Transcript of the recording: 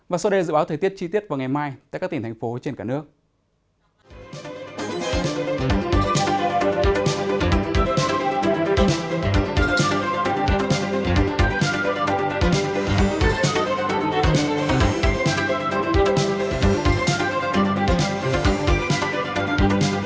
và sau đây là dự báo thời tiết chi tiết vào ngày mai tại các tỉnh thành phố trên cả nước